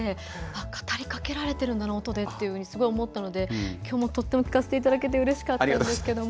語りかけられてるんだな音でってすごい思ったのできょうも、とっても聴かせていただけてうれしかったんですけど。